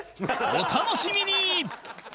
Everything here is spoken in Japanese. お楽しみに！